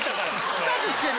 ２つ付ける。